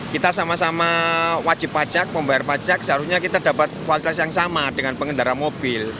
kita sama sama wajib pajak membayar pajak seharusnya kita dapat fasilitas yang sama dengan pengendara mobil